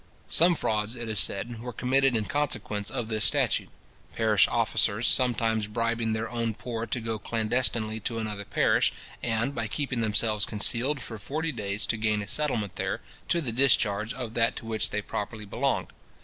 Some frauds, it is said, were committed in consequence of this statute; parish officers sometimes bribing their own poor to go clandestinely to another parish, and, by keeping themselves concealed for forty days, to gain a settlement there, to the discharge of that to which they properly belonged.